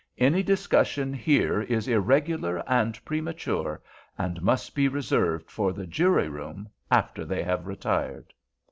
Any discussion here is irregular and premature—and must be reserved for the jury room—after they have retired."